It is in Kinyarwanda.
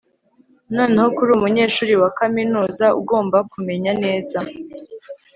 noneho ko uri umunyeshuri wa kaminuza, ugomba kumenya neza